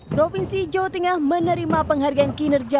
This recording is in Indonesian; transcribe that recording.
provinsi jawa tengah menerima penghargaan kinerja